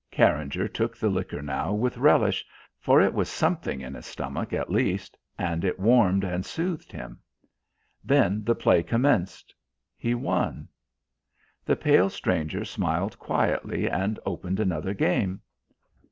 Carringer took the liquor now with relish, for it was something in his stomach at least, and it warmed and soothed him. Then the play commenced. He won. The pale stranger smiled quietly and opened another game.